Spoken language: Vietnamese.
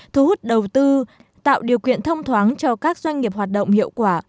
thu hút đầu tư tạo điều kiện thông thoáng cho các doanh nghiệp hoạt động hiệu quả